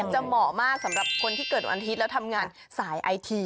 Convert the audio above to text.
เหมาะมากสำหรับคนที่เกิดวันอาทิตย์แล้วทำงานสายไอที